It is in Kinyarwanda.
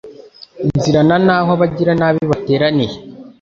nzirana n’aho abagiranabi bateraniye